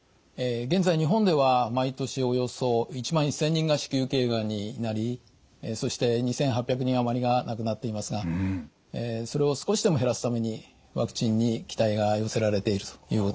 現在日本では毎年およそ１万１，０００人が子宮頸がんになりそして２，８００人余りが亡くなっていますがそれを少しでも減らすためにワクチンに期待が寄せられているということです。